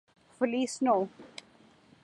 Filipino